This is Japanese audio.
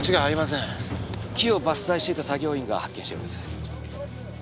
木を伐採していた作業員が発見したようです。